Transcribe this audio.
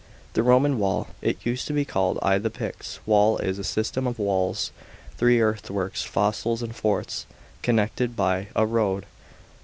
The Roman wall — it used to be called I the Picts' wall — is a system of walls, •3 earthworks, fosses, and forts, connected tby a road.